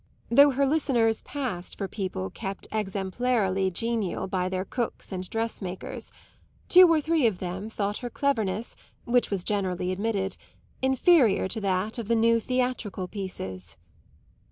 Though her listeners passed for people kept exemplarily genial by their cooks and dressmakers, two or three of them thought her cleverness, which was generally admitted, inferior to that of the new theatrical pieces.